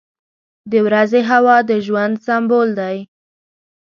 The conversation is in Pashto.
• د ورځې هوا د ژوند سمبول دی.